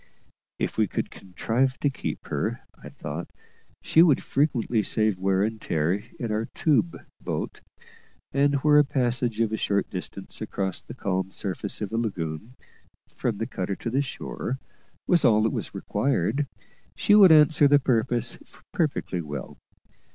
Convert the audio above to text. If we could contrive to keep her, I thought, she would frequently save wear and tear in our tube boat; and where a passage of a short distance across the calm surface of a lagoon, from the cutter to the shore, was all that was required, she would answer the purpose perfectly well.